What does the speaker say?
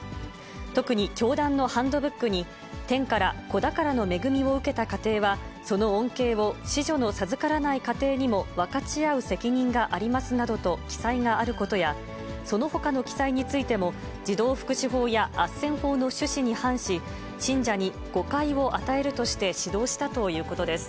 特に教団のハンドブックに、天から子宝の恵みを受けた家庭は、その恩恵を子女の授からない家庭にも分かち合う責任がありますなどと記載があることや、そのほかの記載についても、児童福祉法やあっせん法の趣旨に反し、信者に誤解を与えるとして指導したということです。